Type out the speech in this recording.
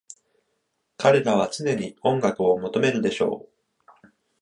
彼らは常に音楽を求めるでしょう。